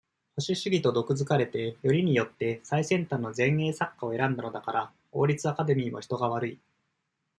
保守主義と毒づかれて、よりによって、最先端の前衛作家を選んだのだから、王立アカデミーも人が悪い。